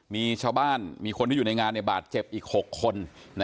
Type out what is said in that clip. มีชาวบ้านมีคนที่อยู่ในงานในบาดเจ็บอีก๖คน